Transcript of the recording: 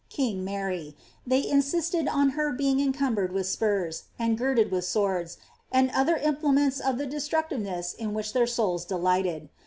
^ King Mary,^' tliey insisted on her being encumbered with spurs, ana girded with swords, and other implements of the destructiveness in which their souls delighted.